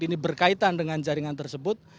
ini berkaitan dengan jaringan tersebut